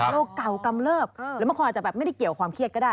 เก่ากำเลิบหรือบางคนอาจจะแบบไม่ได้เกี่ยวความเครียดก็ได้